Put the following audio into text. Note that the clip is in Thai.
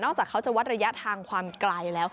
จากเขาจะวัดระยะทางความไกลแล้ว